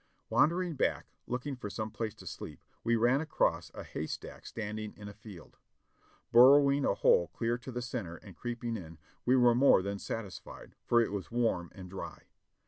Wandering back, looking for some place to sleep, we ran across a hay stack standing in a field. Burrowing a hole clear to the center and creeping in, we were more than satisfied, for it was warm and dry.